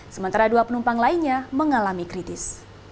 sementara dua penumpang lainnya mengalami kritis